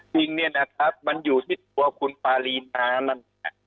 จริงนะครับมันอยู่ที่ตัวคุณปวีนามัน